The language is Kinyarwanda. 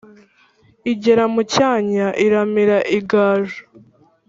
Igera mu Cyanya iramira ingaju